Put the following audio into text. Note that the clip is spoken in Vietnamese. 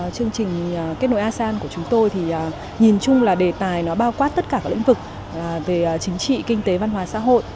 chương trình kết nối asean của chúng tôi thì nhìn chung là đề tài nó bao quát tất cả các lĩnh vực về chính trị kinh tế văn hóa xã hội